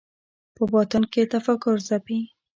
په باطن کې تفکر ځپي